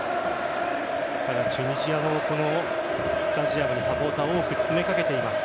ただ、チュニジアもこのスタジアムにサポーターが多く詰めかけています。